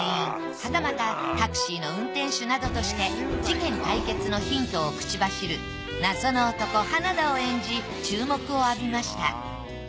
はたまたタクシーの運転手などとして事件解決のヒントを口走る謎の男花田を演じ注目を浴びました。